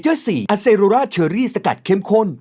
คราวหน้าก็อย่าไปทำร้ายเขาอีกแล้วกัน